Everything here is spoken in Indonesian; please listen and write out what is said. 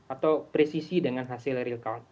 atau presisi dengan hasil real count